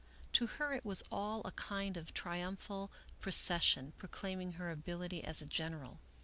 To her it was all a kind of triumphal procession, proclaiming her ability as a general.